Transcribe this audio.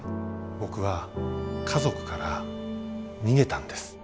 僕は家族から逃げたんです。